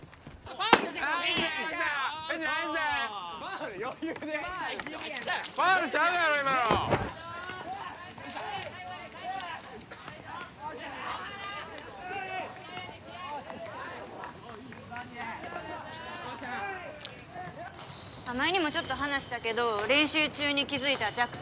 アウト・ファウル余裕でファウルちゃうやろ今の前にもちょっと話したけど練習中に気づいた弱点